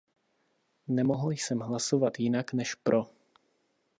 Nemohl jsem hlasovat jinak než pro.